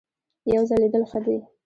یو ځل لیدل ښه دي .